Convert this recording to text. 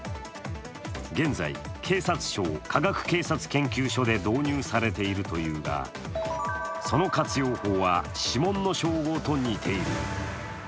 現在、警察庁科学警察研究所で導入されているというがその活用法は、指紋の照合と似ている。